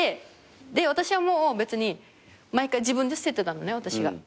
で私はもう別に毎回自分で捨ててたのね。